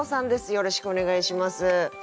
よろしくお願いします。